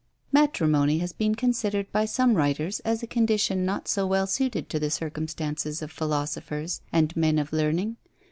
Matrimony has been considered by some writers as a condition not so well suited to the circumstances of philosophers and men of learning.